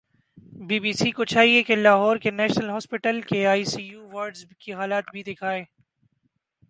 be B C کو چاہیے کہ لاہور کے نیشنل ہوسپٹل کے آئی سی یو وارڈز کے حالات بھی دیکھائیں